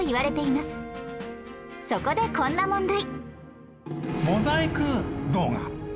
そこでこんな問題